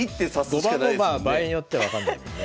５番も場合によっては分かんないもんね。